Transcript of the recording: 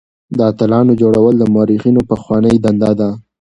د اتلانو جوړول د مورخينو پخوانۍ دنده ده.